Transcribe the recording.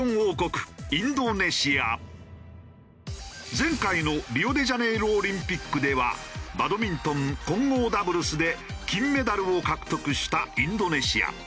前回のリオデジャネイロオリンピックではバドミントン混合ダブルスで金メダルを獲得したインドネシア。